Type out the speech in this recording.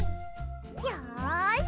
よし！